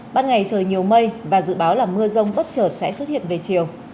ban ngày trời nhiều mây và dự báo là mưa rông bấp trợt sẽ xuất hiện về chiều